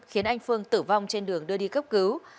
khiến anh phương tử vong trên đường đưa đi cấp cứu